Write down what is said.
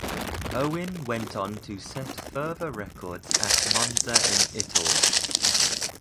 Owen went on to set further records at Monza in Italy.